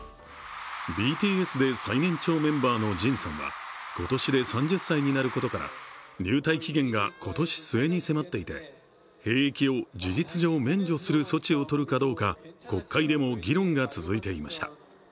ＢＴＳで最年長メンバーのＪＩＮさんは今年で３０歳になることから入隊期限が今年末に迫っていて兵役を、事実上免除する措置を取るかどうか国会でも議論が続いていました。